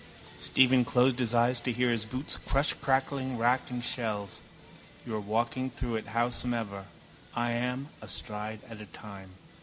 Stephen closed his eyes to hear his boots crush crackling wrack and shells. You are walking through it howsomever. I am, a stride at a time.